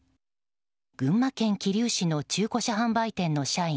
群馬県桐生市の中古車販売店の社員